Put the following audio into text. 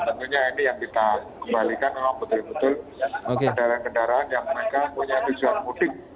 dan tentunya ini yang kita kembalikan memang betul betul kendaraan kendaraan yang mereka punya tujuan mudik